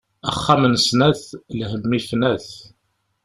Axxam n snat, lhemm ifna-t.